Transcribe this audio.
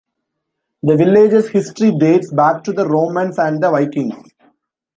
The village's history dates back to the Romans and the Vikings.